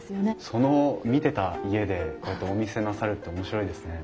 その見てた家でこうやってお店なさるって面白いですね。